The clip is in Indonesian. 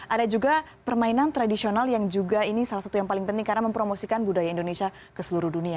ada juga permainan tradisional yang juga ini salah satu yang paling penting karena mempromosikan budaya indonesia ke seluruh dunia